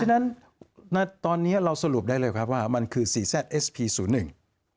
เพราะฉะนั้นตอนนี้เราสรุปได้เลยครับว่ามันคือซีแซทเอสพีศูนย์